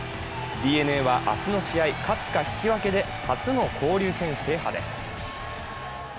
ＤｅＮＡは明日の試合、勝つか引き分けで初の交流戦制覇です。